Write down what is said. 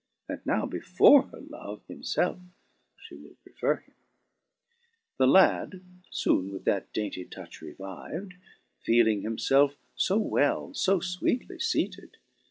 And now before her Love himfelfe fhe will prefer him. 2. The lad, foone with that dainty touch reviv'd, Feeling himfelfe fo well, fo fweetly feated.